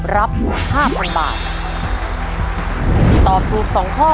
รับห้าพันบาทตอบถูกสองข้อ